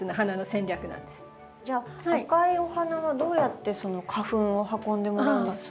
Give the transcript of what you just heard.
じゃあ赤いお花はどうやって花粉を運んでもらうんですか？